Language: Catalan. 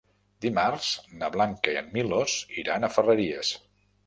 Dimarts na Blanca i en Milos iran a Ferreries.